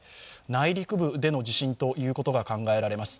内陸部での地震ということが考えられます。